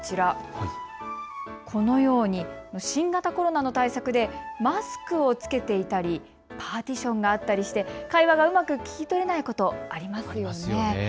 このように新型コロナの対策でマスクを着けていたりパーティションがあったりして会話がうまく聞き取れないこと、ありますよね。